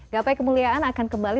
gapai kemuliaan akan kembali